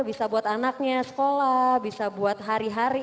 bisa buat anaknya sekolah bisa buat hari hari